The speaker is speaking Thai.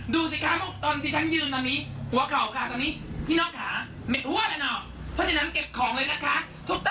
ดูสิคะตอนที่ฉันยืนตอนนี้หัวเข่าค่ะตอนนี้พี่น้องค่ะ